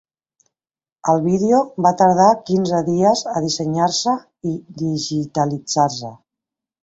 El vídeo va tardar quinze dies a dissenyar-se i digitalitzar-se.